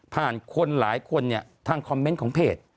คนหลายคนเนี่ยทางคอมเมนต์ของเพจ